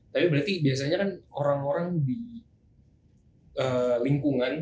tapi berarti biasanya kan orang orang di lingkungan